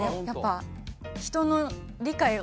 やっぱ人の理解